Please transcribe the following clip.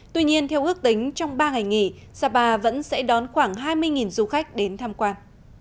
tuy nhiên theo ước tính trong ba ngày nghỉ sapa vẫn sẽ đón khoảng hai mươi du khách đến tham quan